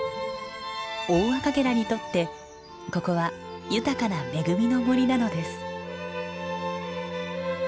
オオアカゲラにとってここは豊かな恵みの森なのです。